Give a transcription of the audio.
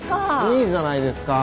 いいじゃないですか。